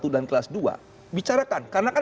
dan kelas dua bicarakan karena kan